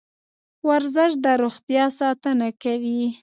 ورزش د روغتیا ساتنه کوي.